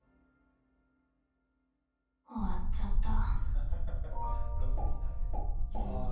終わっちゃった。